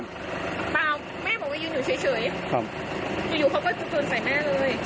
เปล่าแม่บอกว่ายืนอยู่เฉยอยู่เขาก็จะชนใส่แม่เลย